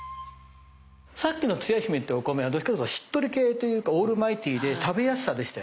さっきのつや姫ってお米はどっちかというとしっとり系というかオールマイティーで食べやすさでしたよね。